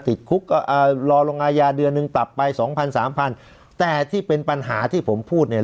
ติดคุกก็รอลงอายาเดือนหนึ่งปรับไปสองพันสามพันแต่ที่เป็นปัญหาที่ผมพูดเนี่ย